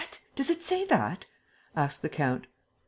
Does it say that?" asked the count.